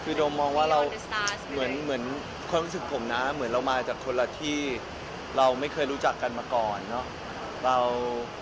คือโดมมองว่าเราเหมือนความรู้สึกผมนะเหมือนเรามาจากคนละที่เราไม่เคยรู้จักกันมาก่อนเนอะ